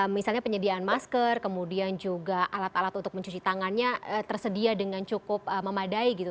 misalnya penyediaan masker kemudian juga alat alat untuk mencuci tangannya tersedia dengan cukup memadai gitu